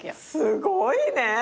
すごいね。